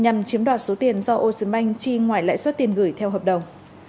nhằm chiếm đoạt số tiền do ô sứn banh chi ngoài lãi suất tiền gửi theo hợp đồng